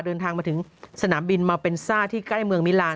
เดินทางมาถึงสนามบินมาเป็นซ่าที่ใกล้เมืองมิลาน